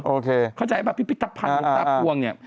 โอเคเข้าใจไหมพิพิธภัณฑ์หลวงตาภวง